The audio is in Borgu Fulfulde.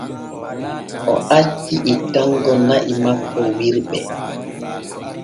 O acci ettango na’i makko wirɓe.